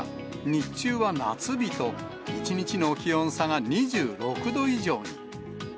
日中は夏日と、一日の気温差が２６度以上に。